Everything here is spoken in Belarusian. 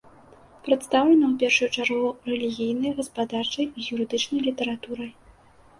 Прадстаўлена ў першую чаргу рэлігійнай, гаспадарчай і юрыдычнай літаратурай.